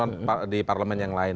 ini sudah berjalan